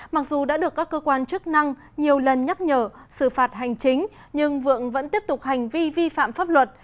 mặc dù đã được các cơ quan chức năng nhiều lần nhắc nhở xử phạt hành chính nhưng vượng vẫn tiếp tục hành vi vi phạm pháp luật